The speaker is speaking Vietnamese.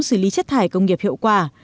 xử lý chất thải công nghiệp hiệu quả